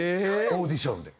オーディションでね。